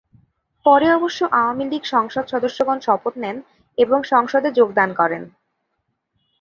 পরে অবশ্য আওয়ামী লীগ সংসদ সদস্যগণ শপথ নেন, এবং সংসদে যোগ দান করেন।